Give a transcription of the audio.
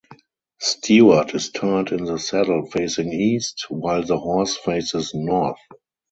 Stuart is turned in the saddle facing east while the horse faces north.